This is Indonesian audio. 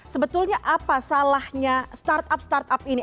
sebetulnya apa salahnya startup startup ini